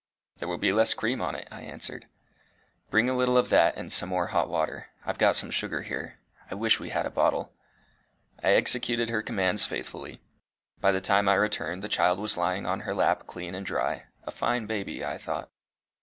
"There will be less cream on it," I answered. "Bring a little of that and some more hot water. I've got some sugar here. I wish we had a bottle." I executed her commands faithfully. By the time I returned the child was lying on her lap clean and dry a fine baby I thought.